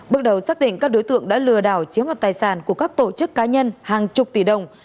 bước đầu xác định các đối tượng đã lừa đảo chiếm đoạt tài sản của các tổ chức cá nhân hàng chục tỷ đồng